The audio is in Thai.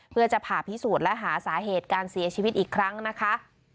เพื่อจะผ่าพิสูจน์และหาสาเหตุการเสียชีวิตอีกครั้งนะคะ